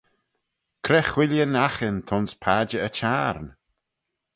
Cre whilleen aghin t'ayns Padjer y Çhiarn?